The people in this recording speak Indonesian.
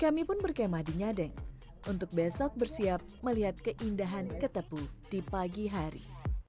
kami pun berkemah di nyadeng untuk besok bersiap melihat keindahan ketepu di pagi hari